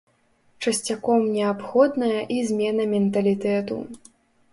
Часцяком неабходная і змена менталітэту.